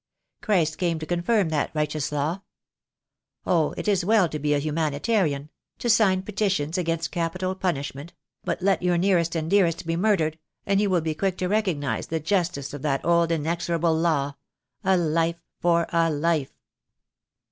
Christ came to con firm that righteous law. Oh! it is well to be a humani tarian— to sign petitions against capital punishment — but let your nearest and dearest be murdered, and you will be quick to recognise the justice of that old inexorable law — a life for a life.